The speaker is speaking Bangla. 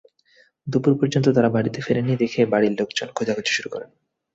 দুপুর পর্যন্ত তারা বাড়িতে ফেরেনি দেখে বাড়ির লোকজন খোঁজাখুঁজি শুরু করেন।